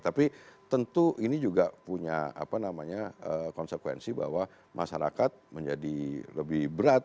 tapi tentu ini juga punya konsekuensi bahwa masyarakat menjadi lebih berat